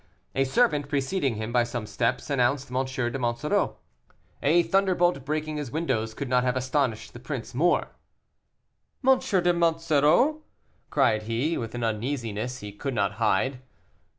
A servant, preceding him by some steps, announced M. de Monsoreau. A thunderbolt breaking his windows, could not have astonished the prince more. "M. de Monsoreau!" cried he, with an uneasiness he could not hide.